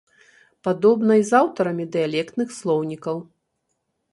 Падобна й з аўтарамі дыялектных слоўнікаў.